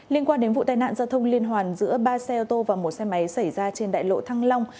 liên quan đến vụ tai nạn giao thông liên hoàn giữa ba xe ô tô và một xe máy xảy ra trên đại lộ thăng long